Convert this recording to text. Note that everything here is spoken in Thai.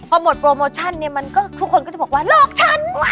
พอหมดโปรโมชั่นเนี่ยมันก็ทุกคนก็จะบอกว่าหลอกฉัน